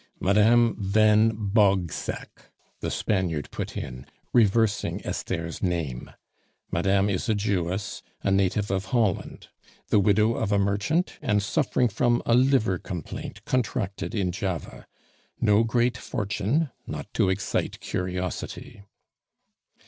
"Madame van Bogseck," the Spaniard put in, reversing Esther's name. "Madame is a Jewess, a native of Holland, the widow of a merchant, and suffering from a liver complaint contracted in Java. No great fortune not to excite curiosity."